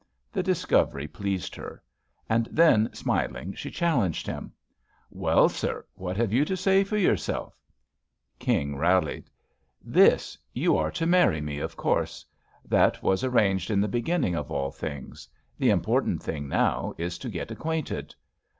The discovery pleased her. And then, smiling, she challenged him : "Well, sir, what have you to say for your self?" King rallied : "This; you are to marry me, of course. That was arranged in the beginning of all things. The important thing now is to get acquainted."